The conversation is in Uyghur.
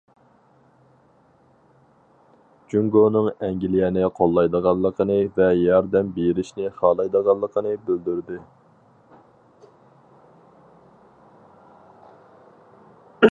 جۇڭگونىڭ ئەنگلىيەنى قوللايدىغانلىقىنى ۋە ياردەم بېرىشنى خالايدىغانلىقىنى بىلدۈردى.